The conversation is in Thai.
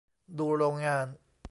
ดูโรงงาน